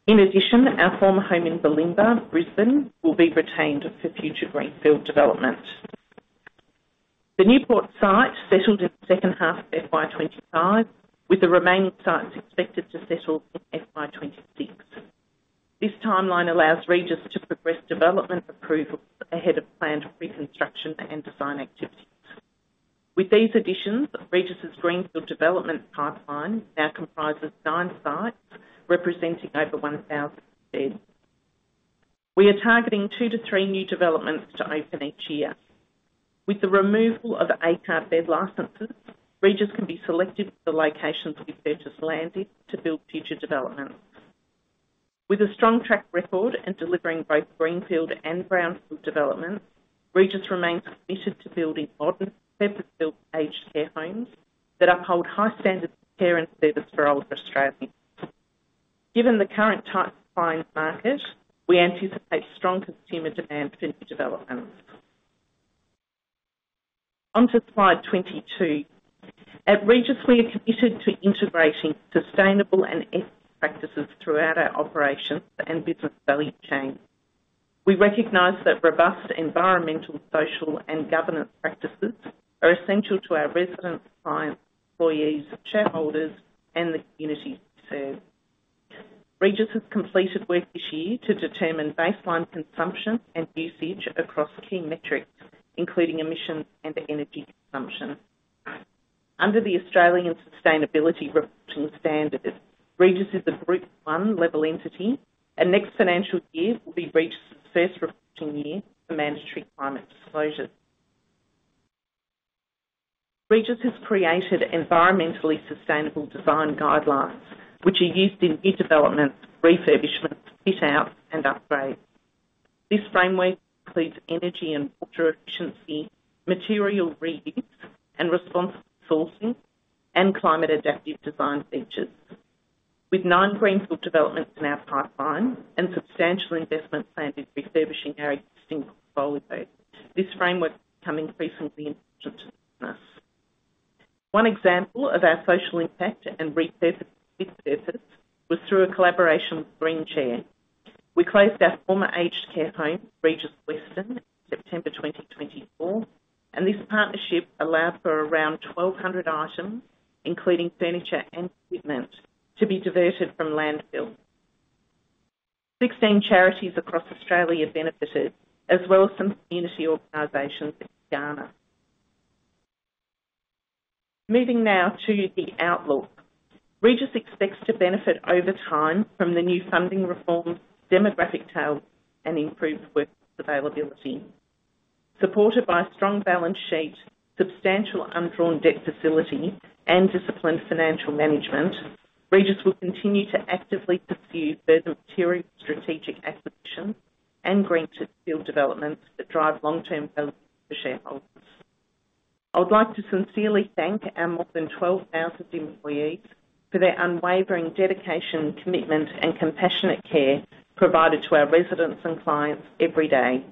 In addition, our former home in Bulimba, Brisbane, will be retained for future greenfield development. The Newport site settled in the second half of FY 2025, with the remaining sites expected to settle in FY 2026. This timeline allows Regis to progress development approvals ahead of planned reconstruction and design activities. With these additions, Regis's greenfield development pipeline now comprises nine sites, representing over 1,000 beds. We are targeting two to three new developments to open each year. With the removal of bed licenses, Regis can be selective for the locations we've purchased land in to build future developments. With a strong track record in delivering both greenfield and brownfield developments, Regis remains committed to building modern, purpose-built aged care homes that uphold high standards of care and service for older Australians. Given the current tight supply and market, we anticipate strong consumer demand for new developments. On to slide 22. At Regis, we are committed to integrating sustainable and ethical practices throughout our operations and business value chain. We recognize that robust environmental, social, and governance practices are essential to our residents, clients, employees, shareholders, and the communities we serve. Regis has completed work this year to determine baseline consumption and usage across key metrics, including emissions and energy consumption. Under the Australian Sustainability Reporting Standards, Regis is a Group 1 level entity, and next financial year will be Regis's first reporting year for mandatory climate disclosures. Regis has created environmentally sustainable design guidelines, which are used in new developments, refurbishments, fit-outs, and upgrades. This framework includes energy and water efficiency, material reuse and responsible sourcing, and climate-adaptive design features. With nine greenfield developments in our pipeline and substantial investment planned in refurbishing our existing portfolio, this framework has become increasingly important to the business. One example of our social impact and refurbishment efforts was through a collaboration with Green Chair. We closed our former aged care home, Regis Western, in September 2024, and this partnership allowed for around 1,200 items, including furniture and equipment, to be diverted from landfills. Sixteen charities across Australia benefited, as well as some community organizations in Ghana. Moving now to the outlook. Regis expects to benefit over time from the new funding reforms, demographic tails, and improved workers' availability. Supported by strong balance sheets, substantial undrawn debt facility, and disciplined financial management, Regis will continue to actively pursue further maturing strategic acquisitions and greenfield developments that drive long-term value to shareholders. I would like to sincerely thank our more than 12,000 employees for their unwavering dedication, commitment, and compassionate care provided to our residents and clients every day.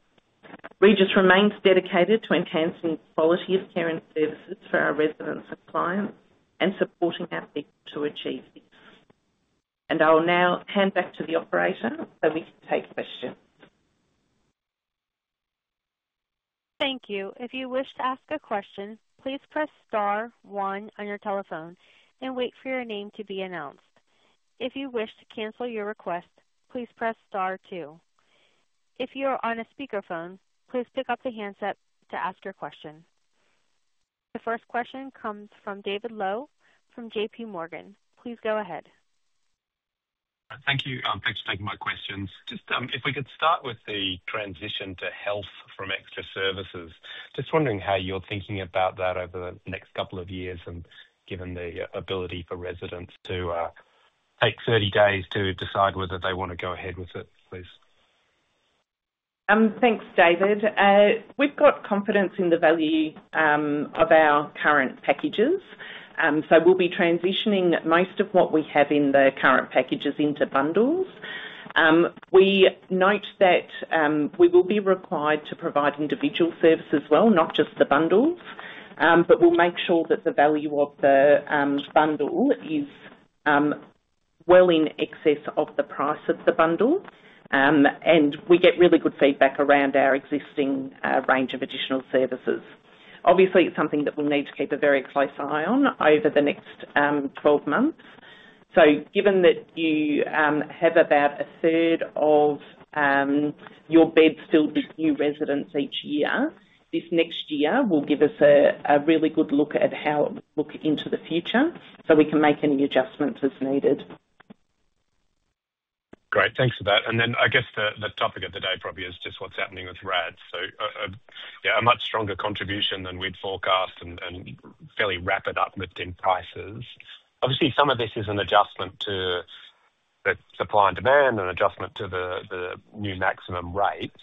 Regis remains dedicated to enhancing the quality of care and services for our residents and clients and supporting our people to achieve this. I will now hand back to the operator so we can take questions. Thank you. If you wish to ask a question, please press star one on your telephone and wait for your name to be announced. If you wish to cancel your request, please press star two. If you are on a speakerphone, please pick up the handset to ask your question. The first question comes from David Lyon from JP Morgan. Please go ahead. Thank you. Thanks for taking my questions. Just if we could start with the transition to health from extra services. Just wondering how you're thinking about that over the next couple of years, and given the ability for residents to take 30 days to decide whether they want to go ahead with it, please. Thanks, David. We've got confidence in the value of our current packages. We'll be transitioning most of what we have in the current packages into bundles. We note that we will be required to provide individual services as well, not just the bundles. We'll make sure that the value of the bundle is well in excess of the price of the bundle. We get really good feedback around our existing range of additional services. Obviously, it's something that we'll need to keep a very close eye on over the next 12 months. Given that you have about a third of your beds filled with new residents each year, this next year will give us a really good look at how it will look into the future so we can make any adjustments as needed. Great, thanks for that. I guess the topic of the day probably is just what's happening with RADs. A much stronger contribution than we'd forecast and fairly rapid uplift in prices. Obviously, some of this is an adjustment to supply and demand and an adjustment to the new maximum rates.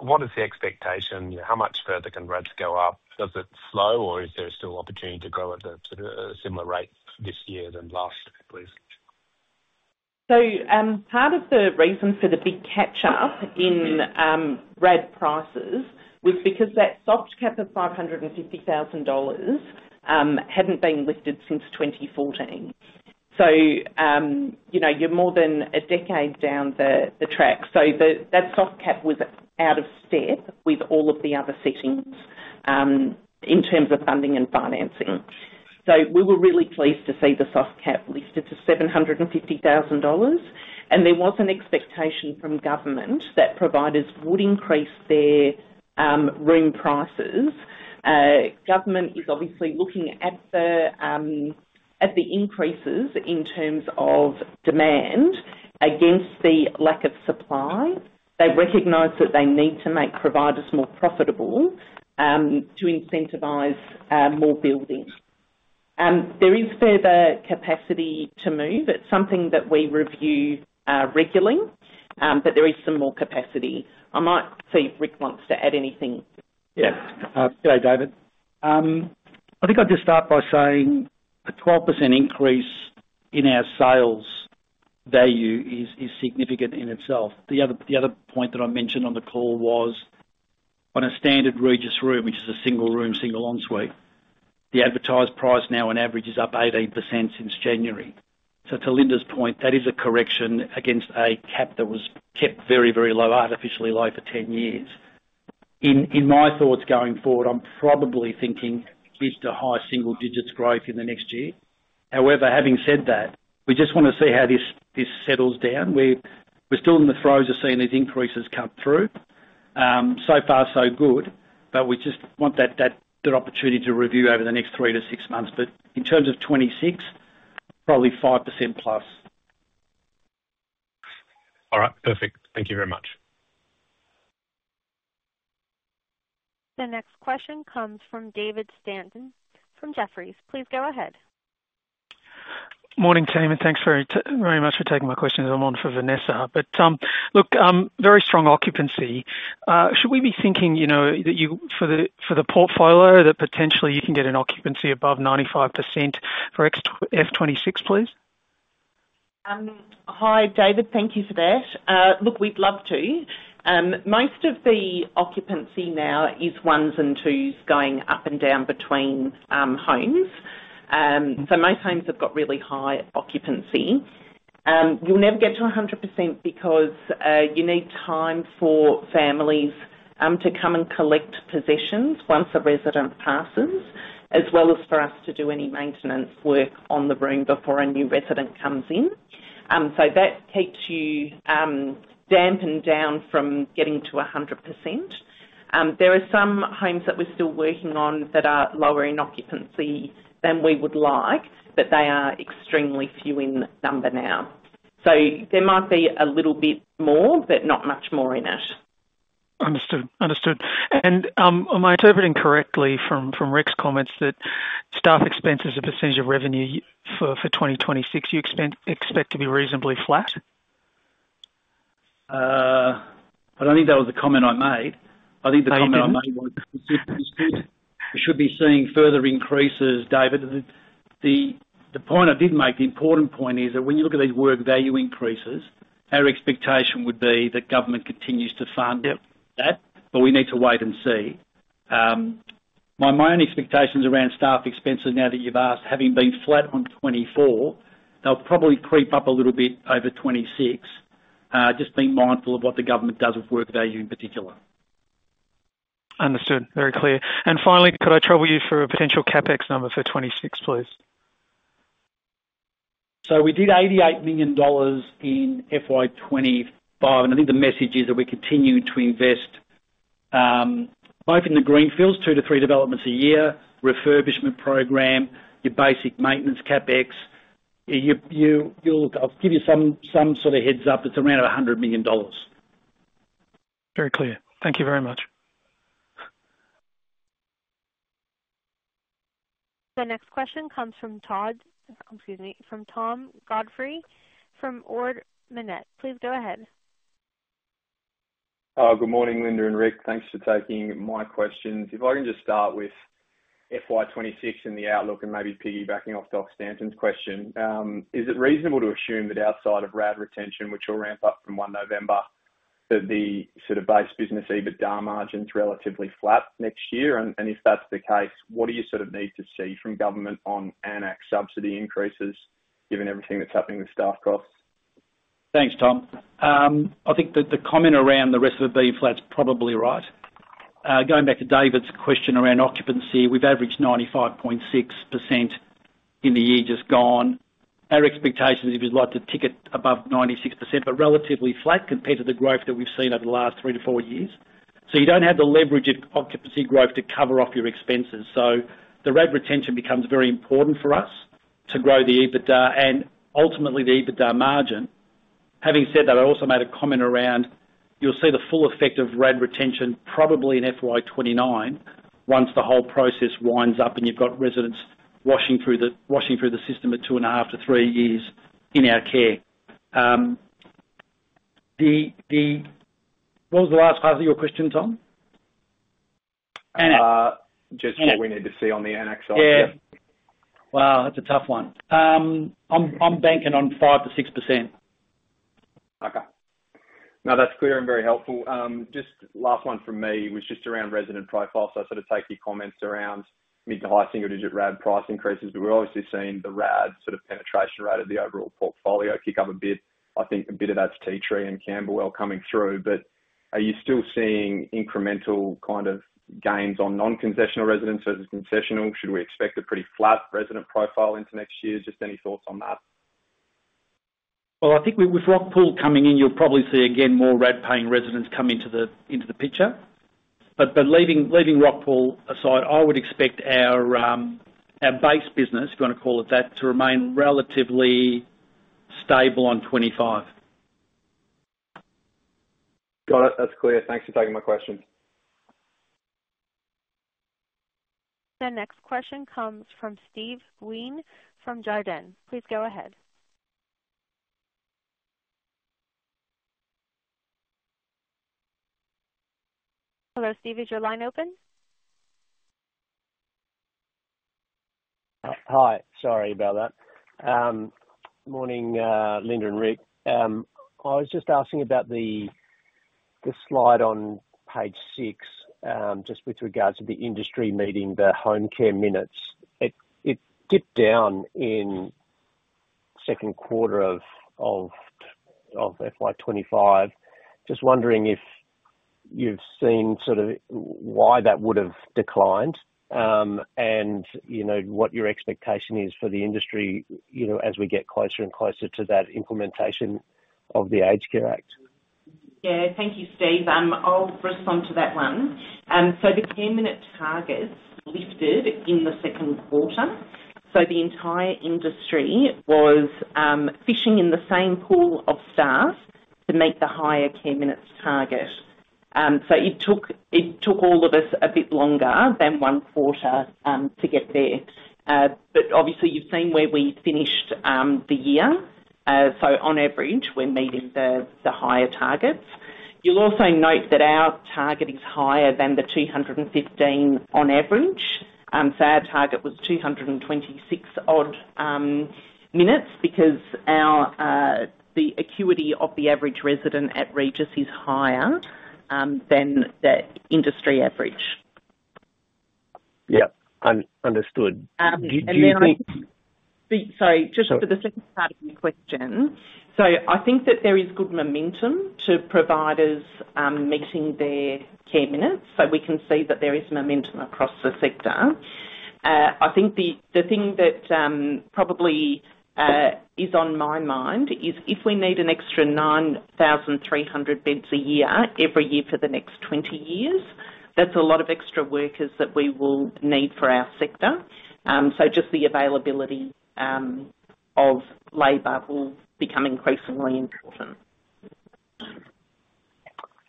What is the expectation? How much further can RADs go up? Does it slow or is there still opportunity to go at a similar rate this year than last, please? Part of the reason for the big catch-up in RAD prices was because that soft cap of 550,000 dollars hadn't been lifted since 2014. You're more than a decade down the track, so that soft cap was out of step with all of the other settings in terms of funding and financing. We were really pleased to see the soft cap lifted to 750,000 dollars. There was an expectation from government that providers would increase their room prices. Government is obviously looking at the increases in terms of demand against the lack of supply. They recognize that they need to make providers more profitable to incentivize more building. There is further capacity to move. It's something that we review regularly, but there is some more capacity. I might see if Rick wants to add anything. Yeah. G'day, David. I think I'd just start by saying a 12% increase in our sales value is significant in itself. The other point that I mentioned on the call was on a standard Regis room, which is a single room, single en suite, the advertised price now on average is up 18% since January. To Linda's point, that is a correction against a cap that was kept very, very low, artificially low for 10 years. In my thoughts going forward, I'm probably thinking mid to high single digits growth in the next year. However, having said that, we just want to see how this settles down. We're still in the throes of seeing these increases come through. So far, so good, but we just want that opportunity to review over the next three to six months. In terms of 2026, probably 5%+. All right. Perfect. Thank you very much. The next question comes from David Stanton from Jefferies. Please go ahead. Morning, team, and thanks very much for taking my questions. I'm on for Vanessa. Very strong occupancy. Should we be thinking that for the portfolio that potentially you can get an occupancy above 95% for F 2026, please? Hi, David. Thank you for that. We'd love to. Most of the occupancy now is ones and twos going up and down between homes. Most homes have got really high occupancy. You'll never get to 100% because you need time for families to come and collect possessions once a resident passes, as well as for us to do any maintenance work on the room before a new resident comes in. That keeps you dampened down from getting to 100%. There are some homes that we're still working on that are lower in occupancy than we would like, but they are extremely few in number now. There might be a little bit more, but not much more in it. Understood. Am I interpreting correctly from Rick's comments that staff expenses as a percentage of revenue for 2026 you expect to be reasonably flat? I don't think that was the comment I made. I think the comment I made was that we should be seeing further increases, David. The point I did make, the important point is that when you look at these work value increases, our expectation would be that government continues to fund that, but we need to wait and see. My own expectations around staff expenses now that you've asked, having been flat on 2024, they'll probably creep up a little bit over 2026. Just be mindful of what the government does with work value in particular. Understood. Very clear. Finally, could I trouble you for a potential CapEx number for 2026, please? We did 88 million dollars in FY 2025, and I think the message is that we continue to invest both in the greenfields, two to three developments a year, refurbishment program, your basic maintenance CapEx. I'll give you some sort of heads up. It's around 100 million dollars. Very clear. Thank you very much. The next question comes from Tom Godfrey from Ord Minnett. Please go ahead. Good morning, Linda and Rick. Thanks for taking my questions. If I can just start with FY26 in the outlook and maybe piggybacking off Stanton's question, is it reasonable to assume that outside of RAD retention, which will ramp up from 1 November, that the sort of base business EBITDA margin is relatively flat next year? If that's the case, what do you sort of need to see from government on AN-ACC subsidy increases, given everything that's happening with staff costs? Thanks, Tom. I think the comment around the rest of it being flat's probably right. Going back to David's question around occupancy, we've averaged 95.6% in the year just gone. Our expectations, if you'd like, to ticket above 96%, but relatively flat compared to the growth that we've seen over the last three to four years. You don't have the leverage of occupancy growth to cover off your expenses. The RAD retention becomes very important for us to grow the EBITDA and ultimately the EBITDA margin. Having said that, I also made a comment around you'll see the full effect of RAD retention probably in FY 2029 once the whole process winds up and you've got residents washing through the system at two and a half to three years in our care. What was the last part of your question, Tom? Just what we need to see on the AN-ACC subsidy. Yeah. Wow, that's a tough one. I'm banking on 5%-6%. Okay. No, that's clear and very helpful. Just last one from me was just around resident profile. I sort of take your comments around mid to high single-digit RAD price increases, but we're obviously seeing the RAD penetration rate of the overall portfolio kick up a bit. I think a bit of that's Tea Tree and Campbell coming through. Are you still seeing incremental kind of gains on non-concessional residents versus concessional? Should we expect a pretty flat resident profile into next year? Just any thoughts on that? With Rockpool coming in, you'll probably see again more RAD-paying residents come into the picture. Leaving Rockpool aside, I would expect our base business, if you want to call it that, to remain relatively stable on 2025. Got it. That's clear. Thanks for taking my questions. The next question comes from Steve Wheen from Jarden. Please go ahead. Hello, Steve. Is your line open? Hi. Morning, Linda and Rick. I was just asking about the slide on page six, just with regards to the industry meeting, the home care minutes. It dipped down in the second quarter of FY 2025. Just wondering if you've seen sort of why that would have declined and you know what your expectation is for the industry, you know, as we get closer and closer to that implementation of the Aged Care Act. Thank you, Steve. I'll respond to that one. The care minute targets lifted in the second quarter. The entire industry was fishing in the same pool of staff to meet the higher care minutes target. It took all of us a bit longer than one quarter to get there. Obviously, you've seen where we finished the year. On average, we're meeting the higher targets. You'll also note that our target is higher than the 215 on average. Our target was 226-odd minutes because the acuity of the average resident at Regis is higher than the industry average. Yeah. Understood. I think, just for the second part of your question, there is good momentum to providers meeting their care minutes. We can see that there is momentum across the sector. The thing that probably is on my mind is if we need an extra 9,300 beds a year every year for the next 20 years, that's a lot of extra workers that we will need for our sector. The availability of labor will become increasingly important.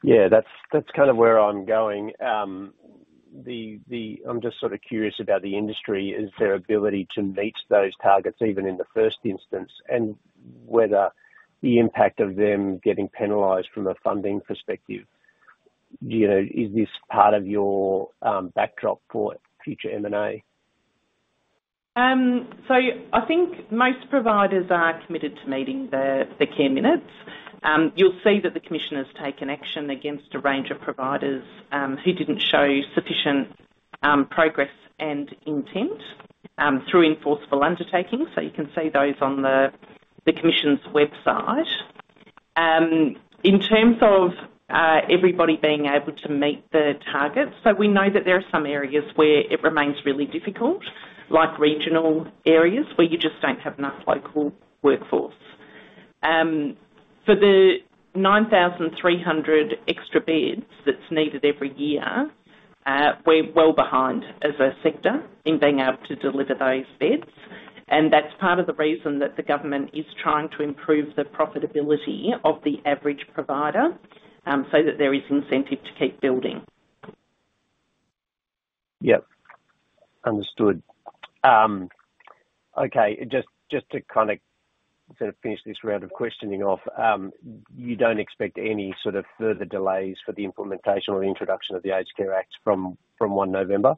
Yeah, that's kind of where I'm going. I'm just sort of curious about the industry, is their ability to meet those targets even in the first instance, and whether the impact of them getting penalized from a funding perspective, you know, is this part of your backdrop for future M&A? I think most providers are committed to meeting the care minutes. You'll see that the Commission has taken action against a range of providers who didn't show sufficient progress and intent through enforceable undertakings. You can see those on the Commission's website. In terms of everybody being able to meet the targets, we know that there are some areas where it remains really difficult, like regional areas where you just don't have enough local workforce. For the 9,300 extra beds that's needed every year, we're well behind as a sector in being able to deliver those beds. That's part of the reason that the government is trying to improve the profitability of the average provider so that there is incentive to keep building. Yeah. Understood. Okay. Just to kind of finish this round of questioning off, you don't expect any further delays for the implementation or the introduction of the Aged Care Act from 1 November?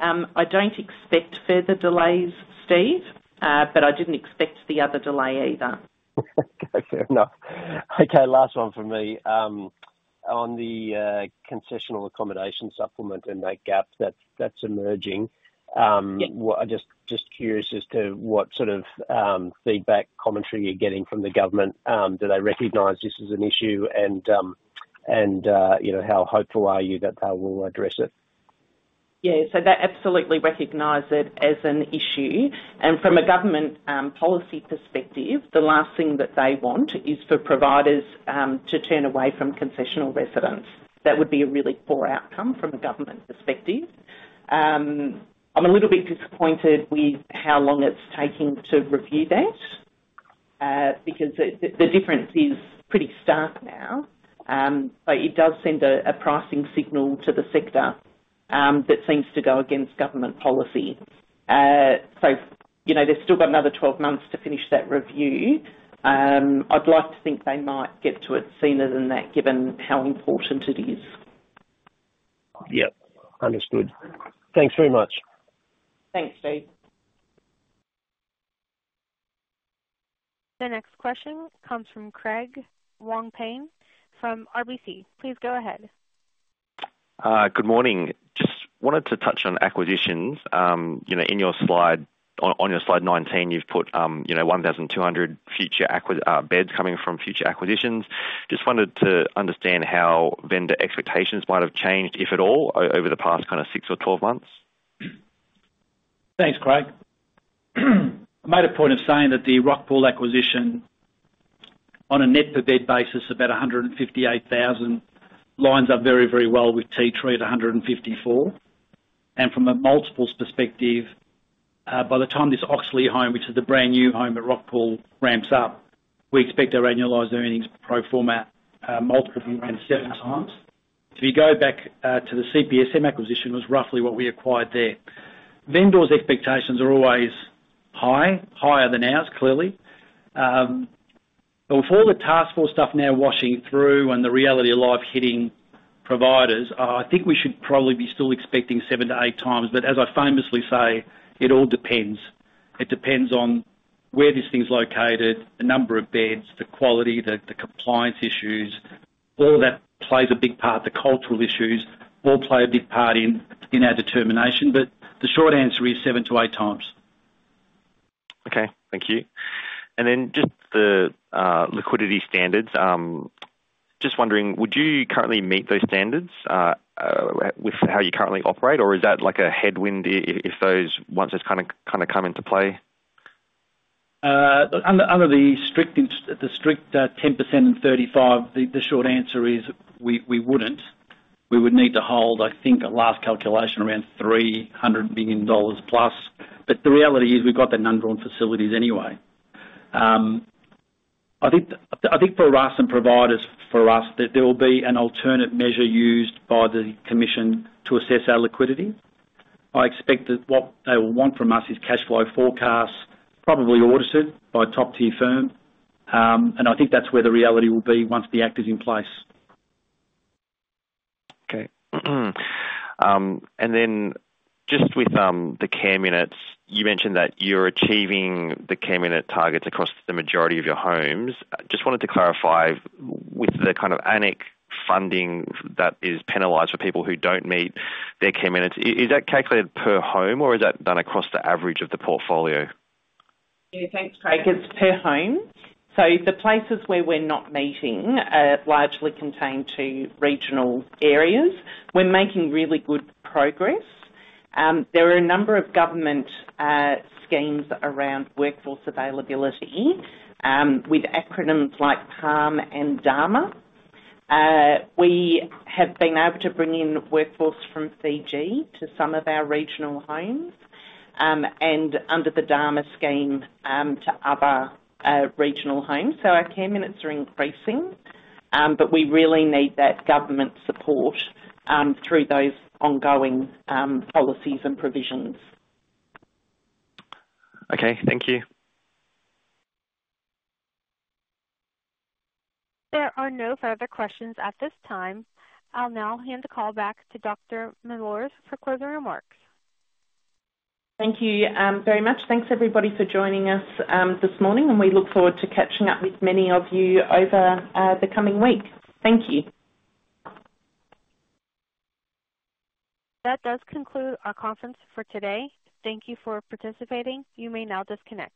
I don't expect further delays, Steve, but I didn't expect the other delay either. Okay, fair enough. Okay, last one from me. On the concessional accommodation supplement and that gap that's emerging, I'm just curious as to what sort of feedback commentary you're getting from the government. Do they recognize this as an issue and how hopeful are you that they will address it? They absolutely recognize it as an issue. From a government policy perspective, the last thing that they want is for providers to turn away from concessional residents. That would be a really poor outcome from a government perspective. I'm a little bit disappointed with how long it's taking to review that because the difference is pretty stark now, but it does send a pricing signal to the sector that seems to go against government policy. They've still got another 12 months to finish that review. I'd like to think they might get to it sooner than that, given how important it is. Yeah, understood. Thanks very much. Thanks, Steve. The next question comes from Craig Wong-Pan from RBC. Please go ahead. Good morning. Just wanted to touch on acquisitions. On your slide 19, you've put 1,200 future beds coming from future acquisitions. Just wanted to understand how vendor expectations might have changed, if at all, over the past six or 12 months. Thanks, Craig. I made a point of saying that the Rockpool acquisition on a net-per-bed basis, about 158,000, lines up very, very well with Tea Tree at 154,000. From a multiples perspective, by the time this Oxley home, which is the brand new home at Rockpool, ramps up, we expect our annualized earnings per format multiple to be around 7x. If you go back to the CPSM acquisition, it was roughly what we acquired there. Vendors' expectations are always high, higher than ours, clearly. With all the task force stuff now washing through and the reality of life hitting providers, I think we should probably be still expecting 7x-8x. As I famously say, it all depends. It depends on where this thing's located, the number of beds, the quality, the compliance issues, all of that plays a big part. The cultural issues all play a big part in our determination. The short answer is 7x-8x. Okay. Thank you. Just the liquidity standards. Wondering, would you currently meet those standards with how you currently operate, or is that like a headwind if those ones just come into play? Under the strict 10% and 35%, the short answer is we wouldn't. We would need to hold, I think, a last calculation around 300 million dollars+. The reality is we've got the undrawn facilities anyway. I think for us and providers, there will be an alternate measure used by the Commission to assess our liquidity. I expect that what they will want from us is cash flow forecasts, probably audited by a top-tier firm. I think that's where the reality will be once the Act is in place. Okay. With the care minutes, you mentioned that you're achieving the care minute targets across the majority of your homes. Just wanted to clarify with the kind of AN-ACC funding that is penalized for people who don't meet their care minutes. Is that calculated per home, or is that done across the average of the portfolio? Thanks, Craig. It's per home. The places where we're not meeting are largely contained to regional areas. We're making really good progress. There are a number of government schemes around workforce availability with acronyms like PAM and DARMA. We have been able to bring in workforce from Fiji to some of our regional homes and under the DARMA scheme to other regional homes. Our care minutes are increasing, but we really need that government support through those ongoing policies and provisions. Okay, thank you. There are no further questions at this time. I'll now hand the call back to Dr. Linda Mellors for closing remarks. Thank you very much. Thanks, everybody, for joining us this morning, and we look forward to catching up with many of you over the coming week. Thank you. That does conclude our conference for today. Thank you for participating. You may now disconnect.